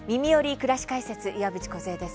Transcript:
くらし解説」岩渕梢です。